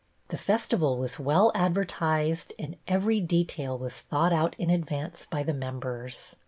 The festival was well advertised and every detail was thought out in advance by the members.